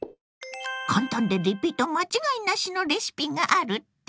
簡単でリピート間違いなしのレシピがあるって？